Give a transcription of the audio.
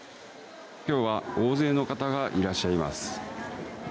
今日は大勢の方がいらっしゃいます。